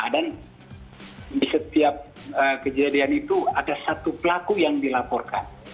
dan di setiap kejadian itu ada satu pelaku yang dilaporkan